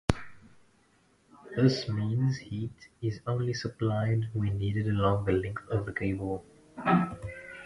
This means heat is only supplied where needed along the length of the cable.